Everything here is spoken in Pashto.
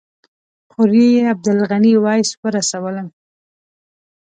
خوريي عبدالغني ویس ورسولم.